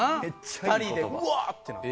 ２人で「うわ！」ってなって。